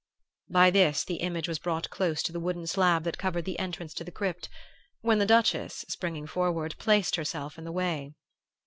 "By this the image was brought close to the wooden slab that covered the entrance to the crypt, when the Duchess, springing forward, placed herself in the way.